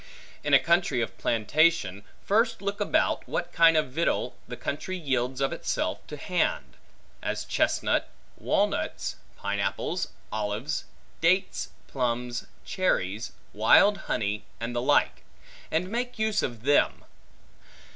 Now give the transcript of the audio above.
In a country of plantation, first look about, what kind of victual the country yields of itself to hand; as chestnuts, walnuts, pineapples, olives, dates, plums, cherries, wild honey, and the like; and make use of them.